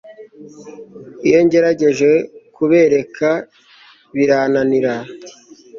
Iyo ngerageje kubereka birananira